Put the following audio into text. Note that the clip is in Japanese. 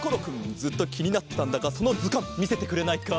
ずっときになってたんだがそのずかんみせてくれないか？